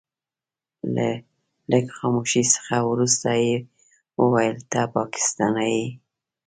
له لږ خاموشۍ څخه وروسته يې وويل ته پاکستانی يې.